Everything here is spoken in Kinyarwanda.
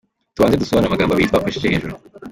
Tubanze dusobanure amagambo abiri twakoresheje hejuru.